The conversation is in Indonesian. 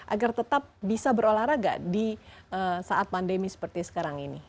agar tetap bisa berolahraga di saat pandemi seperti sekarang ini